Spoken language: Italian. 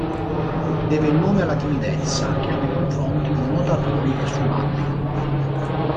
Deve il nome alla timidezza che ha nei confronti di nuotatori e subacquei.